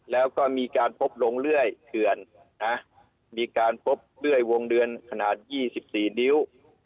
แล้วก็มีการพบลงเลื่อยเขื่อนมีการพบเลื่อยวงเดือนขนาด๒๔นิ้ว